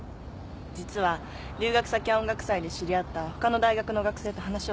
実は留学先や音楽祭で知り合ったほかの大学の学生と話を進めてるの。